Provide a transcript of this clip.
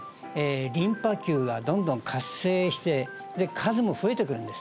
リンパ球がどんどん活性してで数も増えてくるんです